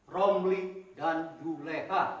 romli dan juleha